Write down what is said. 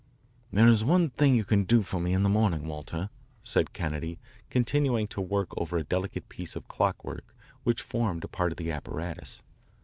"There is one thing you can do for me in the morning, Walter," said Kennedy, continuing to work over a delicate piece of clockwork which formed a part of the apparatus.